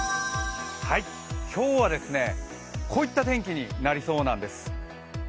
今日はこういった天気になりそうなんです。